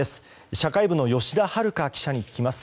社会部の吉田遥記者に聞きます。